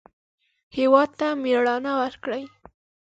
هېواد ته مېړانه ورکړئ